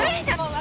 は？